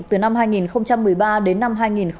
từ năm hai nghìn một mươi ba đến năm hai nghìn một mươi bảy